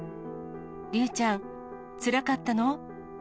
竜ちゃん、つらかったの？